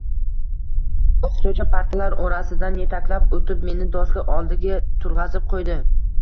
O‘qituvchi partalar orasidan yetaklab o‘tib meni doska oldiga turg‘azib qo‘ydi.